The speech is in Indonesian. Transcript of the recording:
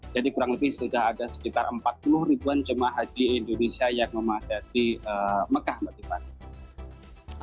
jadi kurang lebih sudah ada sekitar empat puluh ribuan jemaah haji indonesia yang memadati mekah mbak tiffany